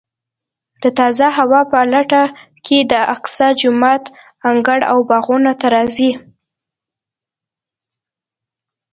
د تازه هوا په لټه کې د اقصی جومات انګړ او باغونو ته راځي.